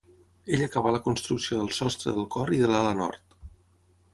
Ell acabà la construcció del sostre del cor i de l'ala nord.